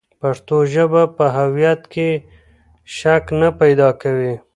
پښتو ژبه په هویت کې شک نه پیدا کوي.